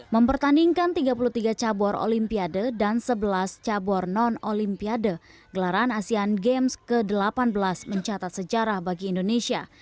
mempertandingkan tiga puluh tiga cabur olimpiade dan sebelas cabur non olimpiade gelaran asean games ke delapan belas mencatat sejarah bagi indonesia